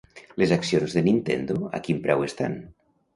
Les accions de Nintendo, a quin preu estan?